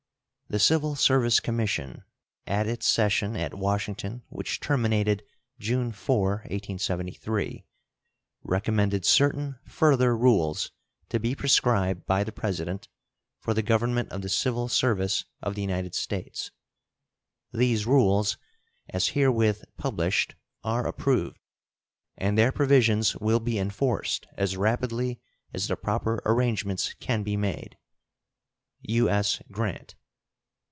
The Civil Service Commission, at its session at Washington which terminated June 4, 1873, recommended certain further rules to be prescribed by the President for the government of the civil service of the United States. These rules as herewith published are approved, and their provisions will be enforced as rapidly as the proper arrangements can be made. U.S. GRANT.